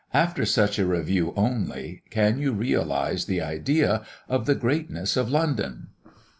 After such a review only can you realise the idea of the greatness of London.